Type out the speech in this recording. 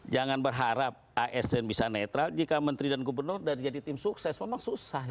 jangan berharap asn bisa netral jika menteri dan gubernur sudah jadi tim sukses memang susah